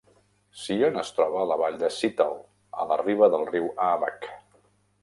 Seon es troba a la vall de Seetal, a la riba del riu Aabach.